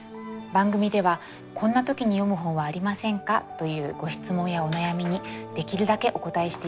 番組では「こんな時に読む本はありませんか？」というご質問やお悩みにできるだけお答えしていきたいと思います。